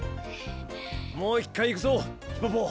もう一回行くぞヒポポ。